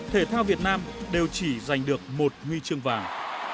thể thao việt nam đều chỉ giành được một huy chương vàng